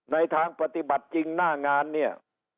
ในทางปฏิบัติจริงหน้างานเนี่ย